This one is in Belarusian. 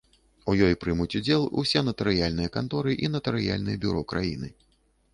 У ёй прымуць удзел усе натарыяльныя канторы і натарыяльныя бюро краіны.